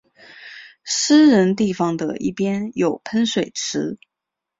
私人地方的一边有喷水池。